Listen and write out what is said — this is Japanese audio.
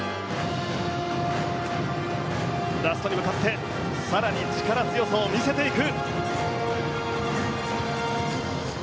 ラストに向かって更に力強さを見せていく！